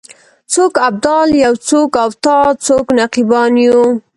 څوک ابدال یو څوک اوتاد څوک نقیبان یو